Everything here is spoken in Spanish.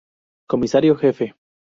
Comisario Jefe.